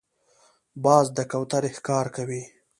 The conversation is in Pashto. باز د کوترې ښکار کوي